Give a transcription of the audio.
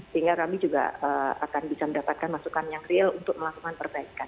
sehingga kami juga akan bisa mendapatkan masukan yang real untuk melakukan perbaikan